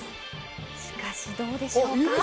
しかし、どうでしょうか？